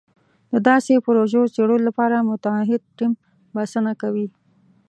د داسې پروژو څېړلو لپاره متعهد ټیم بسنه کوي.